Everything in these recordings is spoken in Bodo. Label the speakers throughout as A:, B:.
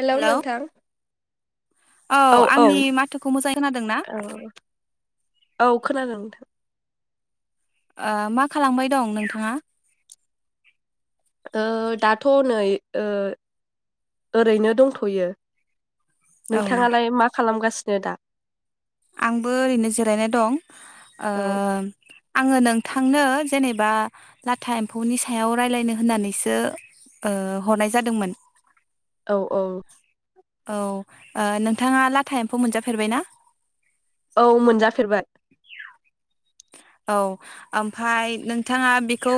A: हेलौ‌
B: हेलौ
A: नोंथां।
B: औ आंनि माथोखौ मोजांङै खोनादों ना।
A: औ खोनादों नोंथां।
B: ओ मा खालामबाय दं नोंथाङा।
A: ओ दाथ' नै ओ ओरैनो दंथ'यो।
B: औ
A: नोंथाङालाय मा खालामगासि नो दा?
B: आंबो ओरैनो जिरायनाय दं ओ
A: औ
B: आङो नों थांनो जेनेबा लाथा एम्फौनि सायाव रायलानो होननानैसो ओ हरनाय जादोंमोन।
A: औ औ।
B: औ ओ नोंथाङा लाथा एम्फौ मोनजाफेरबायना?
A: औ मोनजाफेरबाय।
B: औ ओमफाय नोंथाङा बेखौ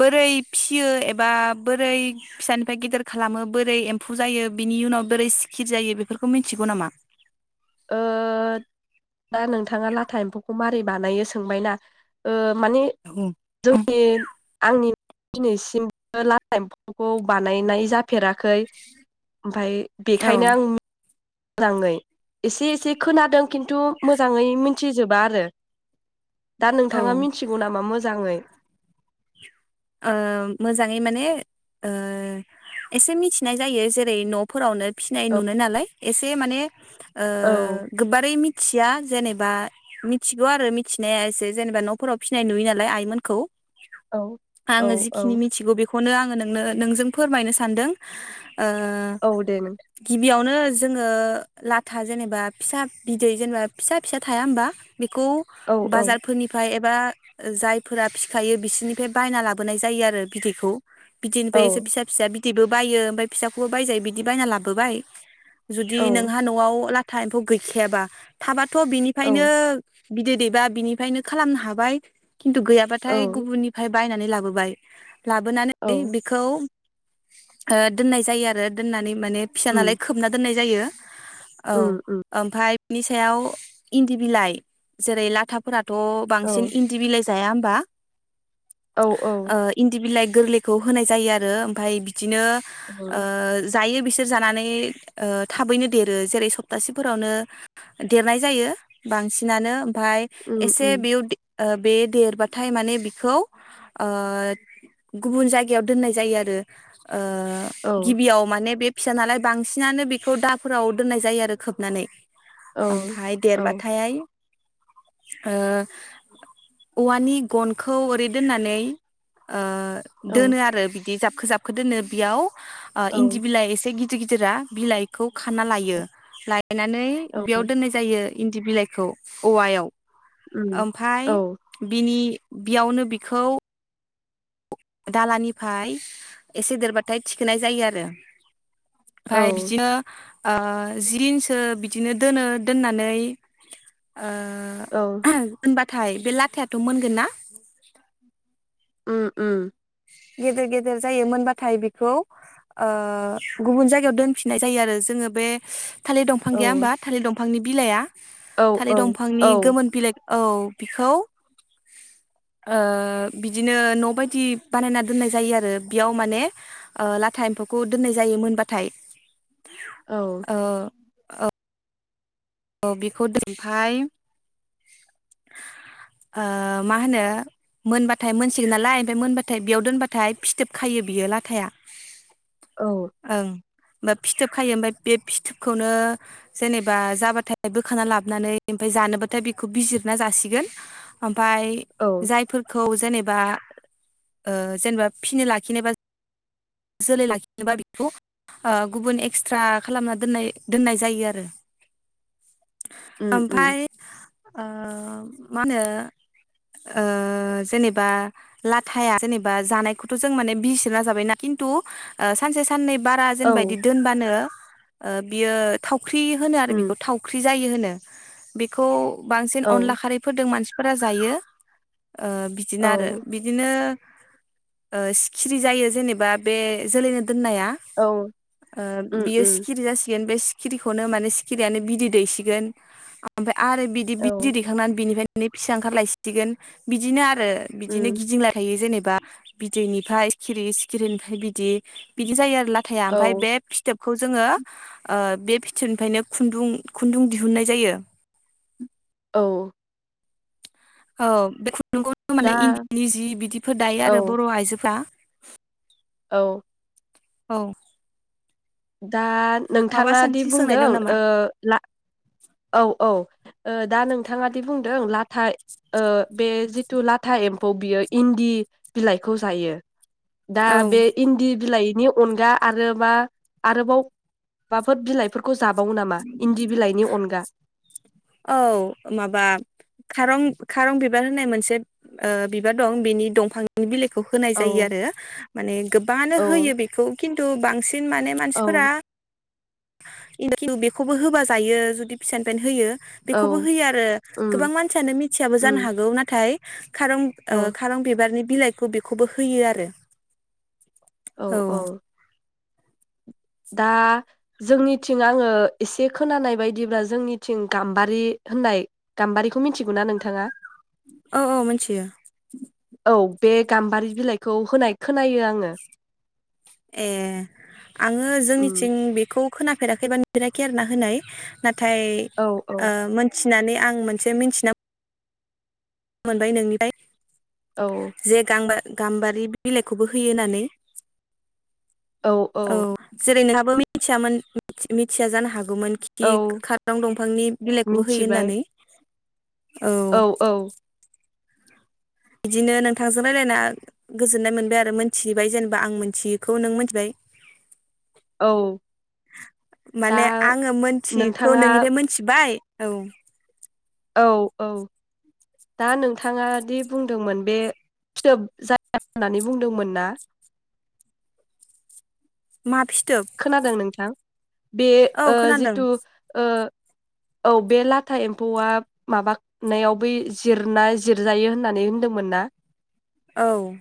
B: बोरै फिसियो एबा बोरै फिसानिफ्राय गिदिर खालामो बोरै एम्फौ जायो बिनि उनाव बोरै सिखिर जायो बेफोरखौ मिथिगौ नामा?
A: ओ दा नोंथाङा लाथा एम्फौखौ मा रै बानायो सोंबायना माने
B: औ
A: जोंनि आंनि दिनैसिमबो लाथा एम्फौखौ बानायनाय जा फेराखै ओमफाय बेखायनो आं
B: औ
A: मोजाङै एसे एसे खोनादों खिन्थु मोजाङै मिथिजोबा आरो। दा
B: औ
A: नोंथाङा मिथिगौ नामा मोजाङै।
B: ओ मोजाङै माने ओ एसे मिथिनाय जायो जेरै न'फोरावनो फिनाय
A: औ
B: नुनाय नालाय एसे माने। ओ
A: औ
B: गोबारै मि मिथिया जेनेबा मिथिगौ आरो मिथिनाया एसे जेनेबा न'फोराव फिसिनाय नुयो नालाय आइमोनखौ।
A: औ। औ
B: आङो
A: औ
B: जिखिनि मिथिगौ बे बेखौनो आङो नोंनो नोंजों फोरमायनो सानदों। आ
A: औ दे नोंथां
B: गिबि आव। नो जोङो लाथा जेनेबा फिसा बिदै जेनेबा फिसा फिसा थाया होमबा। बेखौ
A: औ औ
B: बाजारफोरनिफ्राय एबा बा जायफोरा फिखायो बिसोरनिफ्राय बायना लाबोनाय जायो आरो बिदैखौ
A: औ
B: बिदिनिफ्राय एसे फिसा फिसा बि बिदिबो बायो ओमफाय फिसाखौबो बायजायो बिदि बायना लाबोबाय जुदि
A: औ
B: नोंहा न'आव ला टाइमखौ गैखायाबा थाबा थ'
A: औ
B: बिनिफायनो बिदै दैबा बिनिफ्रायनो खालामनो हाबाय। खिन्थु गैयाबाथाय
A: औ
B: गुबुननि बायनानै लाबोबाय लाबोनानै
A: औ
B: बेखौ ओ दोननाय जायो आरो दोननानै। माने फिसा नालाय
A: उम
B: खोबना दोननाय। जायो औ
A: उम उम
B: ओमफाय बिनि सायाव इन्दि बिलाइ जेरै लाथाफोरा। थ'
A: औ
B: बांसिन इन्दिबिलाइस जाया ओमबा।
A: औ औ
B: ओ इन्दि बिलाइ। गोरलैखौ होनाय जायो आरो ओमफाय फि बिदिनो ओ
A: उम
B: जायो बिसोर जानानै ओ थाबैनो देरो जेरै सप्तासेफोरावनो देरनाय जायो बांसिनानो ओमफाय
A: उम
B: एसे
A: उम
B: बेयाव ओ बे देरबाथाय माने बिखौ ओ गुबुन जायगायाव दोननाय जायो आरो ओ
A: औ
B: गिबियाव माने बे फिसा नालाय बांसिनानो बेखौ दाफोराव दोननाय जायो आरो खोबनानै
A: औ
B: ओमफाय
A: औ
B: देरबाथाय ओ औवानि गनखौ ओरै दोननान ओ
A: औ
B: दोनो आरो बिदि जाब खो जाबखो दोनो बियाव आ
A: औ
B: इन्दि बिलइ एसे गि गिदिर गिदिरा बिलाइखौ खाना लायो। लायनानै बियाव दोननाय जायो। इन्दि बिलाइखौ औवायाव
A: उम
B: ओमफाय
A: औ
B: बिनि बियावनो बि खौ दालानिफाय एसे देरबाथाय थिखोनाय जायो आरो ओमफाय
A: औ
B: बिदिनो ओ जि दिनसो बिदिनो दोनो दोननानै
A: औ
B: ओ बा थाय बे लाथायाथ' मोनगोन ना?
A: उम उम।
B: गेदेर गेदेर जायो मोनबाथाय बेखौ ओ गुबुन जायगायाव दोनफिननाय जायो आरो जोङो बे थालिर दंफां
A: औ
B: गैया होनबा थालिर दंफां बिफांनि बिलाइया
A: औ औ
B: थालिर
A: औ
B: दंफांनि
A: औ
B: गोमोन बिलाइ औ बिखौ ओ बिदिनो न' बायदि बानायना दोननाय जायो आरो बेयाव माने ओ लाथा एम्फौखौ दोननाय जायो मोनबाथाय।
A: औ
B: ओ अ औ बेखौ ओमफाय ओ मा होनो मोनबाथाय मोनसिगोन नालाय ओमफाय मोनबाथाय बेयाव दोनबाथाय फिथोब खायो बियो लाथाया। ओं। ओ फिथोब खायो ओमफाय बे फिथोबखौनो जेनेबा जाबा थाय बोखाना लाबोनानै ओमफाय जानोबाथाय बेखौ बिजिरना जासिगोन। ओम फाय जायफोरखौ जेनेबा ओ जेनेबा फिनो लाखिनोबा जोलै लाखिनोबा बेखौ ओ गुबुन एक्सट्रा खालामना दोननाय दोननाय जायो आरो
A: उम उम
B: ओमफाय ओ मा होनो ओ जेनेबा लाथाया जेनेबा जानायखौथ' जों माने बिजिरना जाबाय ना खिन्थु ओ सानसे साननै बारा
A: औ
B: जेनेबा इदि दोनबानो ओ बियो थाव ख्रि होनो आरो
A: उम
B: बेखौ थाव जायो होनो बेखौ बांसिन अनला
A: औ औ
B: खारैफोरदों मानसि फोरा जायो। ओ बिदिनो
A: औ
B: आरो बिदिनो ओह सिखिरि जायो जेनेबा बे जोलैनो दोननाया ओ
A: उम
B: बियो
A: उम
B: सिखिरि जासिगोन बे सिखिरिखौनो माने सिखिरियानो बिदै दैसिगोन ओमफाय आरो बिदि
A: औ
B: बिदै दैखांनानै बिनिफाय नो फिसा ओंखारलायसिगोन बिदिनो आ रो बिदिनो
A: उम
B: गिदिंला थायो जेने बा बिदैनिफ्राय सिखिरि सिखिरिनिफ्राय बिदि बिदि जायो आरो लाथाया
A: औ
B: ओमफाय बे फिथोब खौ जोङो ओ बे भिथोरनिफ्रायनो खुन्दुं खुन्दुं दिहुननाय जायो
A: द'
B: औ नंगौनो
A: दा
B: माने इन्दिनि जि बिदिफोर दायो आरो
A: औ
B: बर' आइजोफ्रा
A: औ
B: औ
A: दात
B: माबा
A: नोंथाङा दि
B: सोंथि
A: बुंदों
B: सोंनायदों
A: ओम
B: नामा
A: औ औ दा ओह नोंथाङा दि बुंदों लाथाय ओह बे जिथु लाथा एम्फौ खौ बियो इन्दि बिलाइखौ जायो दा
B: औ
A: बे इन्दि बिलाइ नि अनगा आरो मा आरोबाव माबाफोर बिलाइफोरखौ। जाबावो नामा इन्दि बिलाइनि अनग‌।
B: औ माबा खारं। खारं बिबार होननाय मोनसे ओ बिबार दं बेनि दंफांनि बिले बेखौ होनाय
A: औ
B: जायो आरो माने गोबानो
A: औ
B: होयो बेखौ। खिथु बांसिन। बिन माने मानसिफोरा।
A: औ
B: बेखौबो होबा जायो जुदि फिसेन पेनट होयो। बेखौबो
A: औ
B: होयो आरो
A: उम
B: गोबां मानसियानो मिथियाबो जानो
A: उम
B: हागौ नाथाय। खारं ओ
A: औ
B: खारं बिबारनि। बिलाइखौ बेखौबो होयो आरो। औ
A: औ-औ दा जोंनिथिं आङो एसे खोनानाय बायदिब्ला जोंनिथिं गाम्बारि होननाय गाम्बारिखौ मिथिगौना नोंथाङा।
B: औ-औ मोनथियो।
A: औ बे गाम्बारि बिलाइखौ होनाय खोनायो आङो।
B: ए आङो
A: उम
B: जोंनिथिं बेखौ। खोनाफेराखैबा निराखयारना होनाय। नाथाय
A: औ औ
B: ओ मोनसे। मिनानै आं मोनसे मिथिना। मोनबाय नोंनिफ्राय।
A: औ
B: जे गांबो गाम्बारि बिलाइखौबो होयो होननानै। औ जेरैनो मिथिया जानो हागौ। गोमोन खिथि
A: औ
B: खारां दंफांनि बिलाइखौबो होयो
A: मिथिबाय
B: होननानै। औ बिदिनो नोंथांजों रायलायना गोजोननाय मोनबाय आरो मोनथिबाय जेनेबा आं मोनथियैखौ नों मोनथिबाय।
A: औ दा
B: माने आङो मोनथिखौ
A: नोंथाङा
B: नोंनिफ्राय मोनथिबाय। औ
A: औ-औ दा नोंथाङादि बुंदोंमोन बे फिथोब जाया होननानै बुंदोंमोन ना।
B: मा फि
A: खोनादों नोंथां। बे
B: औ
A: ओ
B: खोनादों
A: जिथु ओ औ बे लाथा एम्फौआ माबा नायाव बै जिरना जिरजायो होननानै होन्दोंमोन ना।
B: औ।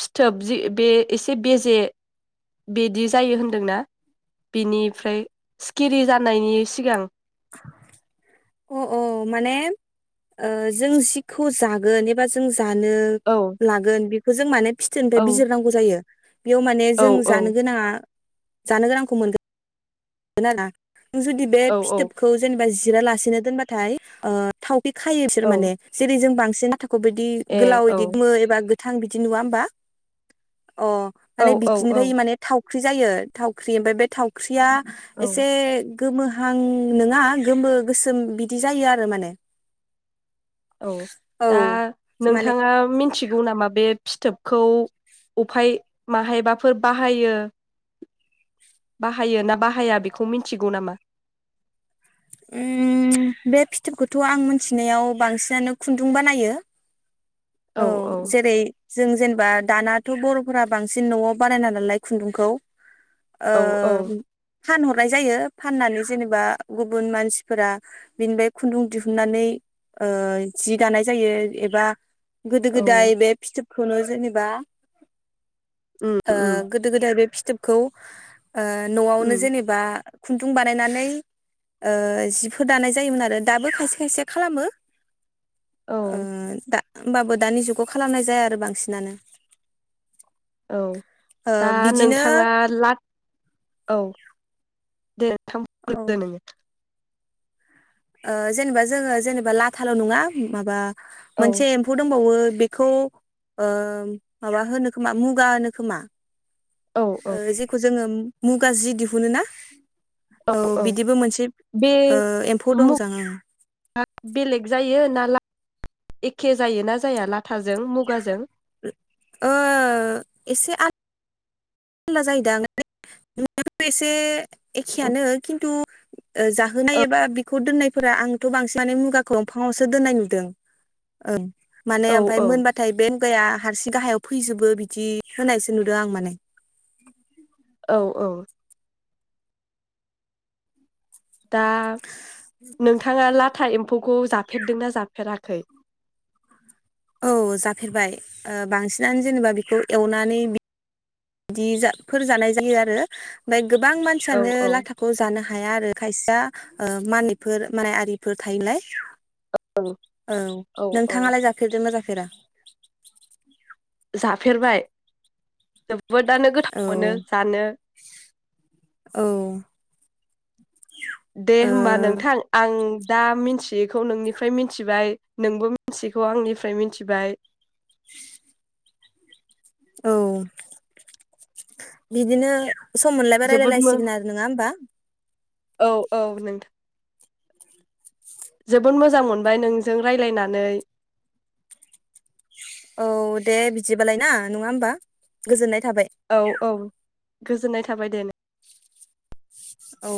A: फिथोब जि बे एसे बेजे बेदि जायो होन्दोंना बिनिफ्राय सिखिरि जानायनि सिगां।
B: अ अ माने ओ जों जिखौ जागोन एबा जों दानो
A: औ
B: लागोन बि खो जों माने फिथोनिफाय
A: औ
B: बिजिरनांगौ जायो। बियाव माने
A: औ
B: जों
A: औ
B: जानो गोनांङा। जानो गोनांखौ मोनगोन आरो ना नों जुदि बे
A: औ औ
B: फिथोबखौ जेनेबा जिरा ला सिनो दोनबाथाय ओ थाव बि खायो बिसोर
A: औ
B: माने जेरै जों बां सिन बिदि
A: ए
B: गोलाव
A: औ
B: इदि मोनो एबा थां बिदि नुवा होमबा। अ'
A: औ
B: माने
A: औ
B: बिथिनिफाय इ
A: औ
B: माने थाव जायो थावख्रि ओमफ्राय बे थावख्रिया
A: औ
B: एसे गोमो हां नोङा गोमो गोसोम बिदि जायो आरो माने।
A: औ
B: औ
A: दा
B: माने
A: नोंथाङा मिन थिगौ नामा बे फिथोबखौ उफाय माहायबाफोर बाहायो बाहायो ना बाहाया बिखौ मिन्थिगौ नामा।
B: उम बे फिथोबखोथ' आं मोन्थिनायाव बांसिनानो खुन्दुं बानायो। औ जेरै जों जेनबा दानाथ' बर'फोरा बांसिन न'आव बानायना नालाय खुन्दुंखौ। ओ
A: औ औ
B: फानहरनाय जायो फान्नानै जेनेबा गुबुन मानसिफोरा बेनिबाय खुन्दुं दिहुन्नानै ओ जि दानाय जायो एबा गोदो गोदाय
A: औ
B: बे फिथोब खोनो जेनेबा
A: उम
B: ओ
A: उम
B: गोदो गोदाय बे फि थोबखौ ओ ओ न'आवनो
A: उम
B: जेनेबा खुन्दुं बानायनानै ओ जिखौ दानाय जायोमोन आरो दाबो खायसे खायसेया खालामो। ओ
A: औ
B: दा होमबाबो दानि जुगाव खालामनाय जाया आरो बांसिनानो
A: औ
B: ओ
A: दा
B: बिदिनो
A: नोंथाङा लाब औ दे थाम [unintelligible]
B: औ
A: नों
B: ओ जेनेबा जोङो जेनेबा लाथाल' नङा माबा
A: औ
B: मोनसे एम्फौ दंबावो। बेखौ ओ माबा होनो खोमा मुगा होनो खोमा
A: औ
B: ओ
A: औ
B: जेखौ जोङो मुंगा जि दिहुनो ना औ बिदिबो मोनसे
A: बे
B: ओ एम्फौ
A: मु
B: दंजां ओं
A: बेलेग जायो ना ला एखे जायोना जाया लाथाजों मुगाजों?
B: ओ एसे आ खलदा जायोदा [unintelligible] एसे एखेयानो खिन्थु जाहोनाय एबा बिखौ दोननायफोरा आंथ' बांसिनानो मुगाखौ दमफाङावसो दोननाय नुदों ओं माने
A: औ
B: ओमफ्राय
A: औ
B: मोनबाथाय बे खुगाया हारसिं गाहायाव फैजोबो बिदि होनायसो नुदों आं माने
A: औ औ। दा नोंथाङा लाथा एम्फौखौ जाफेरदोंना जाफेराखै
B: औ जाफेरबाय ओ बांसिनानो जेनेबा बेखौ एवनानै बि दिफोर जानाय जायो आरो ओमफ्राय गोबां
A: औ
B: मानसियानो
A: औ
B: लाथाखौ जानो हाग हाया आरो खायसेया ओ मानिकफोर माया आरिफोर थायोलाय।
A: औ
B: औ नोंथाङालाय जाफेरदोंना जाफ फेरा?
A: जाफेरबाय [unintelligible] बदआनो
B: औ
A: गोथाव मोनो जानो।
B: औ ओ
A: दे होमबा नोंथां आं दा मिन्थियैखौ नोंनिफ्राय मिथिबाय नोंबो मिन्थियैखौ आंनिफ्राय मिनथिबाय।
B: औ बिदिनो सम मोनलायबा
A: जोबोद मो
B: रायलायलायसिगोन आरो नोङा होमबा?
A: औ औ नोंथां। जोबोद मोजां मोनबाय नोंजों रायलायनानै।
B: औ दे बिदिबालाय ना नङा होमबा गोजोननाय थाबाय
A: औ औ। गोजोननाय थाबाय दे।
B: औ।